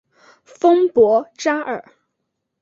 丰博扎尔。